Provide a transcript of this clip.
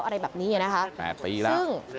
อะไรแบบนี้นะครับซึ่ง